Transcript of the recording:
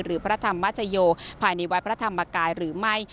หรือพระธรรมวจโยศิษฐ์ภายในวัดพระธรรมกายหรือไม่